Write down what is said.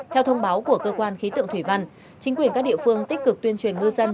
theo thông báo của cơ quan khí tượng thủy văn chính quyền các địa phương tích cực tuyên truyền ngư dân